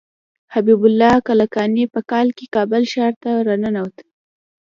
حبیب الله کلکاني په کال کې کابل ښار ته راننوت.